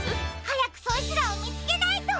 はやくそいつらをみつけないと！